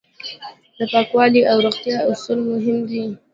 د پاکوالي او روغتیا اصول مهم دي.